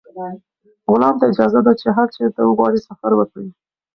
غلام ته اجازه ده چې هر چېرته وغواړي سفر وکړي.